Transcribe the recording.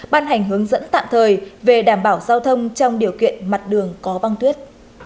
ban hành hướng dẫn tạm thời về đảm bảo giao thông trong điều kiện mặt đường có băng tuyết